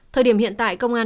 thời điểm hiện tại công an